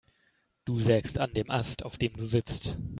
Du sägst an dem Ast, auf dem du sitzt.